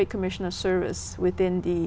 nó rất truyền thông